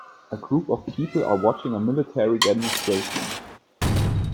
A group of people are watching a military demonstration.